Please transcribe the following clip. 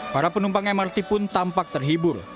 para penumpang mrt pun tampak terhibur